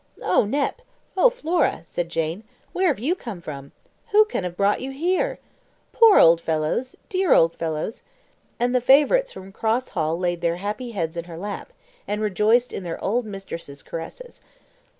"Oh, Nep! oh Flora!" said Jane, "where have you come from? Who can have brought you here? Poor old fellows! dear old fellows!" And the favourites from Cross Hall laid their happy heads in her lap, and rejoiced in their old mistress's caresses.